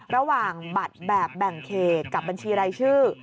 ระหว่างบัตรแบบแบ่งเขตกับบัญชีรายชื่อ